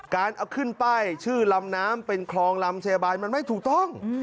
การเอาขึ้นป้ายชื่อลำน้ำเป็นคลองลำสบายมันไม่ถูกต้อง